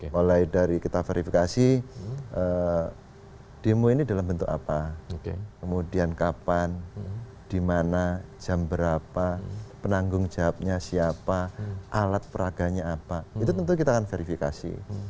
mulai dari kita verifikasi demo ini dalam bentuk apa kemudian kapan di mana jam berapa penanggung jawabnya siapa alat peraganya apa itu tentu kita akan verifikasi